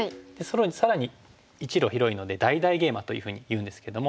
更に１路広いので大々ゲイマというふうにいうんですけども。